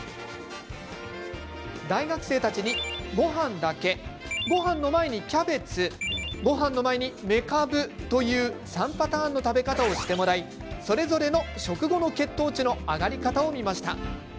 大学生たちに「ごはんだけ」「ごはんの前にキャベツ」「ごはんの前にめかぶ」という３パターンの食べ方をしてもらいそれぞれの食後の血糖値の上がり方を見ました。